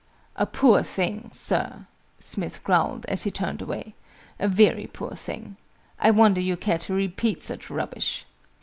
"A poor thing, sir!" Smith growled, as he turned away. "A very poor thing! I wonder you care to repeat such rubbish!"